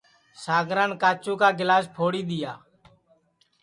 ساگران کاچُو کا گِلاس پھوڑی دؔیا